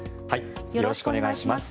よろしくお願いします。